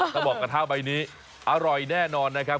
ต้องบอกกระทะใบนี้อร่อยแน่นอนนะครับ